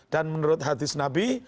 dan menurut hadis nabi